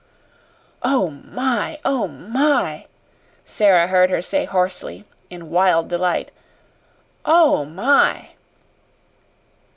"Oh, my! Oh, my!" Sara heard her say hoarsely, in wild delight. "OH my!"